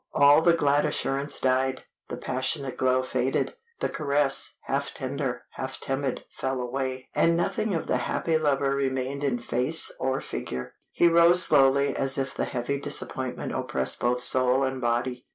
All the glad assurance died, the passionate glow faded, the caress, half tender, half timid, fell away, and nothing of the happy lover remained in face or figure. He rose slowly as if the heavy disappointment oppressed both soul and body.